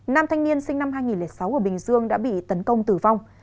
nam thanh niên sinh năm hai nghìn sáu ở bình dương đã bị tấn công tử vong